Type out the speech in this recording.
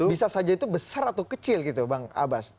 bisa saja itu besar atau kecil gitu bang abbas